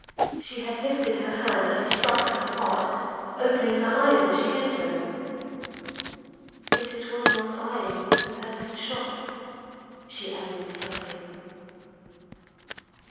She had lifted her hand and struck at her heart, opening her eyes as she did so. "Yet it was not I who had been shot," she added softly.